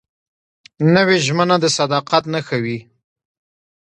نوې ژمنه د صداقت نښه وي